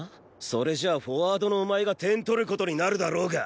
それじゃあフォワードのお前が点取る事になるだろうが。